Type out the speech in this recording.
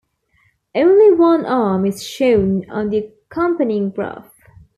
Only one arm is shown on the accompanying graph.